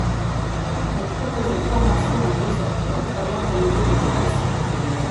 Elle propose des formations en deux ans, octroyant un niveau de technicien.